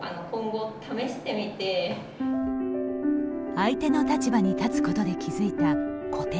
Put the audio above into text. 相手の立場に立つことで気付いた固定観念。